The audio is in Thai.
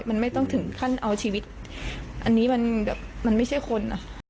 มันไม่ต้องถึงขั้นเอาชีวิตอันนี้มันแบบมันไม่ใช่คนอ่ะ